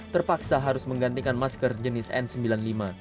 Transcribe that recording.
terpaksa harus menggantikan masker jenis n sembilan puluh lima